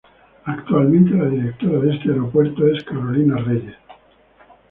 Actualmente la directora de este aeropuerto es Carolina Reyes.